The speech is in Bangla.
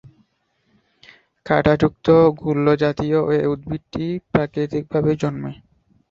কাঁটাযুক্ত গুল্মজাতীয় এ উদ্ভিদটি প্রাকৃতিক ভাবেই জন্মে।